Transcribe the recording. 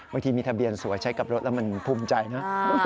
บางทีมีทะเบียนสวยใช้กับรถแล้วมันภูมิใจนะ